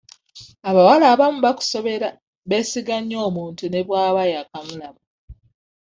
Abawala abamu bakusobera beesiga nnyo omuntu ne bw'aba yaakamulaba.